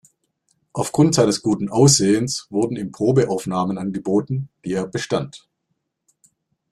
Aufgrund seines guten Aussehens wurden ihm Probeaufnahmen angeboten, die er bestand.